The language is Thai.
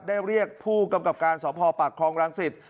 ได้เรียกผู้กำกับการสพปากคลองรังสิต